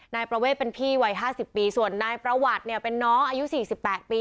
นายประเวทเป็นพี่วัยห้าสิบปีส่วนนายประวัติเนี้ยเป็นน้องอายุสี่สิบแปดปี